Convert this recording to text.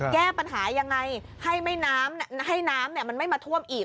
แก้ปัญหายังไงให้น้ำให้น้ำมันไม่มาท่วมอีก